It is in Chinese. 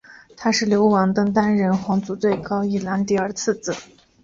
他是流亡登丹人皇族最高君王伊兰迪尔的次子。